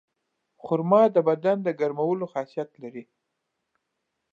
خرما د بدن د ګرمولو خاصیت لري.